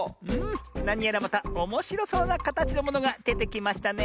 なにやらまたおもしろそうなかたちのものがでてきましたね。